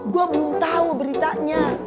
gue belum tau beritanya